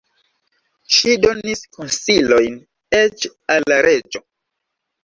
Ŝi donis konsilojn eĉ al la reĝo.